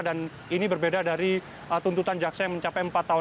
dan ini berbeda dari tuntutan jaksa yang mencapai empat tahun